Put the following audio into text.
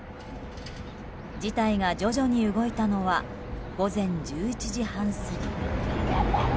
事態が徐々に動いたのは午前１１時半過ぎ。